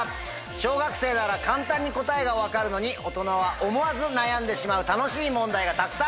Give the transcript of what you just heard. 小学生なら簡単に答えが分かるのに大人は思わず悩んでしまう楽しい問題がたくさん。